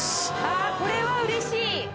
あこれはうれしい。